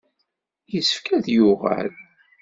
Yessefk ad d-yuɣal.